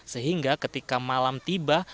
sehingga ketika malam tiba